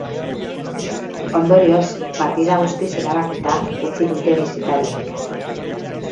Ondorioz, partida guztiz erabakita utzi dute bisitariek.